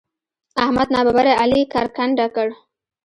احمد ناببره علي کرکنډه کړ.